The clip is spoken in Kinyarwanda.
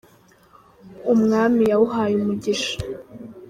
Umwami yawuhaye umugisha.